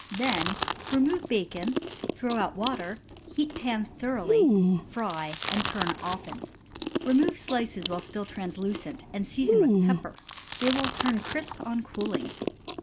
Then remove bacon, throw out water, heat pan thoroughly, fry, and turn often. Remove slices while still translucent, and season with pepper. They will turn crisp on cooling.